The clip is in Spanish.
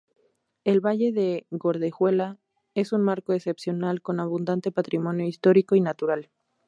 El Valle de Gordejuela es un marco excepcional con abundante patrimonio histórico y natural.